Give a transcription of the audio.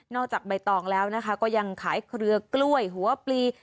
จากใบตองแล้วนะคะก็ยังขายเครือกล้วยหัวปลี